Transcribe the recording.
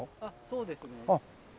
そうですね。